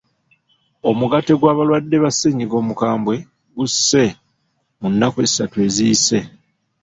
Omugatte gw'abalwadde ba ssennyiga omukambwe gussee mu nnnaku essatu eziyise.